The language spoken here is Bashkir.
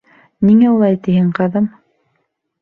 — Ниңә улай тиһең, ҡыҙым?